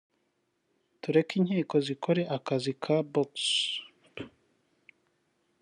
tureke inkiko zikore Akazi kabxp